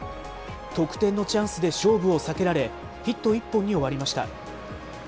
得点のチャンスで勝負を避けられ、ヒット１本に終わりました。